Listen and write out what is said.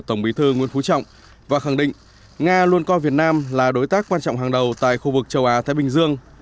tổng thống liên bang nga luôn coi việt nam là đối tác quan trọng hàng đầu tại khu vực châu á thái bình dương